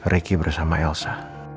riki bersama elsa